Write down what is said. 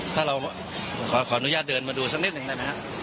ถ้าเราขออนุญาตเดินมาดูสักนิดหนึ่งได้ไหมฮะ